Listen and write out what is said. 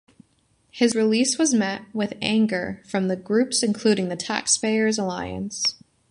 His release was met with anger from groups including the TaxPayers' Alliance.